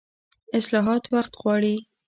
اصلاحات وخت غواړي